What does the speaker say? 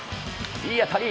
いい当たり。